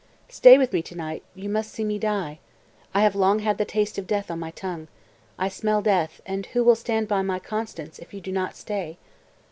"]) 228. "Stay with me to night; you must see me die. I have long had the taste of death on my tongue, I smell death, and who will stand by my Constanze, if you do not stay?"